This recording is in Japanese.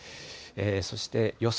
そして予想